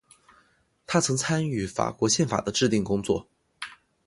他曾参与法国宪法的制订工作。